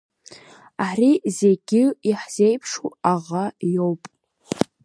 Ари зегьы иаҳзеиԥшу аӷа иоуп.